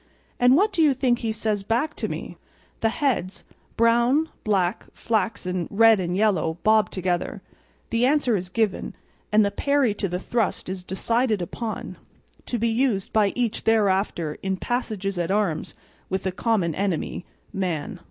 And what do you think he says back to me?" The heads, brown, black, flaxen, red, and yellow bob together; the answer is given; and the parry to the thrust is decided upon, to be used by each thereafter in passages at arms with the common enemy, man.